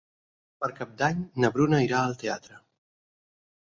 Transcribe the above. Per Cap d'Any na Bruna irà al teatre.